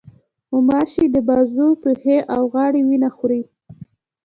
غوماشې د بازو، پښې، او غاړې وینه خوري.